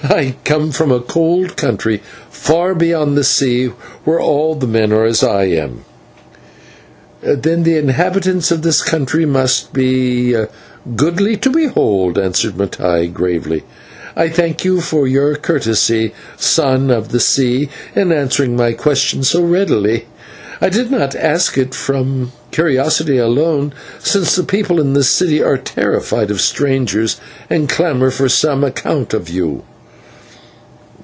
"I come from a cold country far beyond the sea, where all the men are as I am." "Then the inhabitants of that country must be goodly to behold," answered Mattai gravely. "I thank you for your courtesy, Son of the Sea, in answering my question so readily. I did not ask it from curiosity alone, since the people in this city are terrified of strangers, and clamour for some account of you."